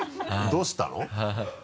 どうしたの？